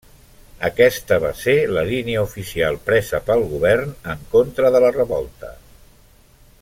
Aquesta va ser la línia oficial presa pel govern en contra de la revolta.